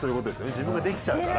自分ができちゃうから。